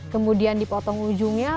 kemudian dipotong ujungnya